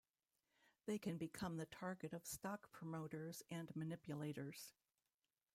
They can become the target of stock promoters and manipulators.